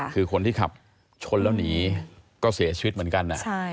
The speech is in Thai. คือคนที่ขับชนแล้วหนีก็เสียชีวิตเหมือนกัน